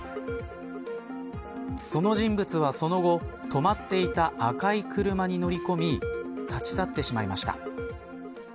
その人物は、その後止まっていた赤い車に乗り込み立ち去ってしまいました。